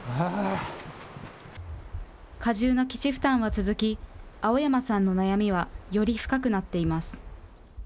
過重な基地負担は続き、青山さんの悩みはより深くなっています。